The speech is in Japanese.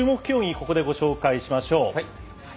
ここでご紹介しましょう。